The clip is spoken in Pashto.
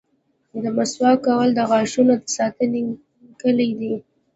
• د مسواک کول د غاښونو د ساتنې کلي ده.